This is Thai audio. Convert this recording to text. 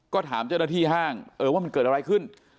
ก็ถามเจ้าหน้าที่ห้างเออว่ามันเกิดอะไรขึ้น